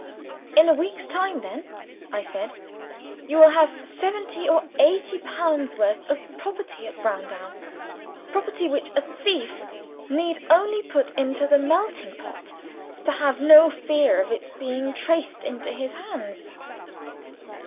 "In a week's time then," I said, "you will have seventy or eighty pounds' worth of property at Browndown. Property which a thief need only put into the melting pot, to have no fear of its being traced into his hands."